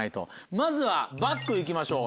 まずはバッグ行きましょう。